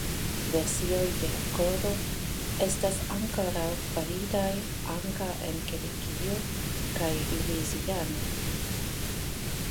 Versioj de la Kodo estas ankoraŭ validaj ankaŭ en Kebekio kaj Luiziano.